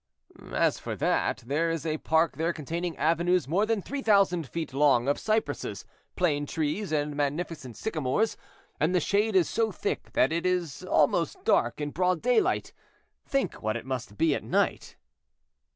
"As for that, there is a park there containing avenues more than 3,000 feet long of cypresses, plane trees, and magnificent sycamores, and the shade is so thick it is almost dark in broad daylight. Think what it must be at night."